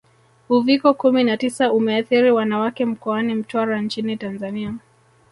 Uviko kumi na tisa umeathiri Wanawake mkoani Mtwara nchini Tanzania